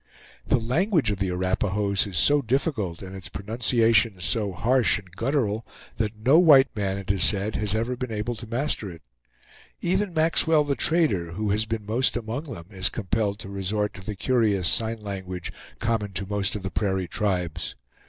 The language of the Arapahoes is so difficult, and its pronunciations so harsh and guttural, that no white man, it is said, has ever been able to master it. Even Maxwell the trader, who has been most among them, is compelled to resort to the curious sign language common to most of the prairie tribes.